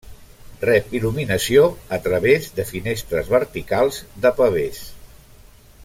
Rep il·luminació a través de finestres verticals de pavés.